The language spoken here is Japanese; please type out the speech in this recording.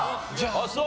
ああそう！